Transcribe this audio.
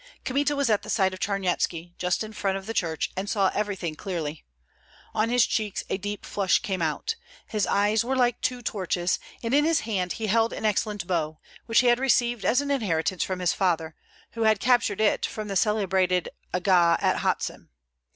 Kmita was at the side of Charnyetski, just in front of the church, and saw everything clearly. On his cheeks a deep flush came out, his eyes were like two torches, and in his hand he held an excellent bow, which he had received as an inheritance from his father, who had captured it from a celebrated Agá at Hotsin.